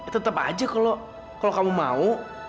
tetap aja kalau kamu mau